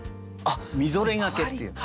みぞれがけっていう。